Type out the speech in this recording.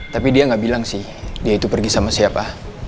tapi dia nggak bilang sih dia itu pergi sama siapa